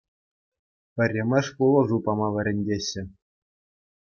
Пӗрремӗш пулӑшу пама вӗрентеҫҫӗ